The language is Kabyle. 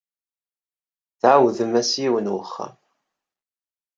Tɛawdem-as i yiwen n wexxam.